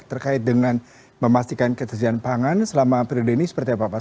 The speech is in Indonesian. terkait dengan memastikan ketersediaan pangan selama periode ini seperti apa pak